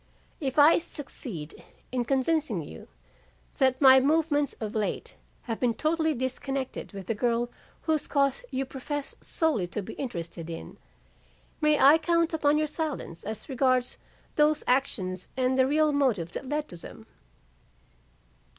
If I succeed in convincing you that my movements of late have been totally disconnected with the girl whose cause you profess solely to be interested in, may I count upon your silence as regards those actions and the real motive that led to them?"